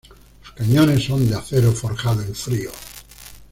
Los cañones son de acero forjado en frío.